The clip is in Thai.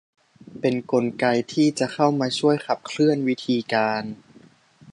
เป็นกลไกที่จะเข้ามาช่วยขับเคลื่อนวิธีการ